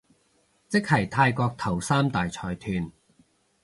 即係泰國頭三大財團